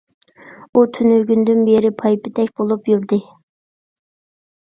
ئۇ تۈنۈگۈندىن بېرى پايپېتەك بولۇپ يۈردى.